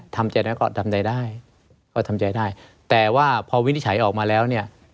ทำใจได้ก็ทำใจได้ก็ทำใจได้แต่ว่าพอวินิจฉัยออกมาแล้วเนี่ย